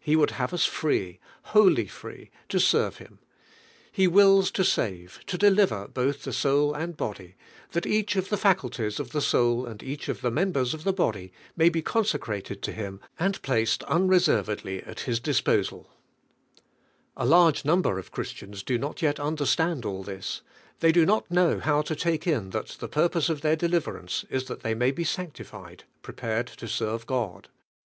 He wonld have us free, wholly free to serve Him. ' He wills tie to save, to del her both the son I and the body, that each of the members of the body may he consecrated to Him and placed unre servedly at His disposal. A large number of Christians do not yet understand all lliis, (ibey do not know DIVINE HEADING. how to lake in Hint the purpose of (heir deliverance is that they may be sancti tied, prepared to serve their God.